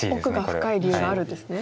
奥が深い理由があるんですね。